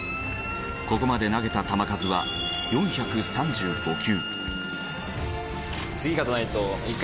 ここまで投げた球数は４３５球。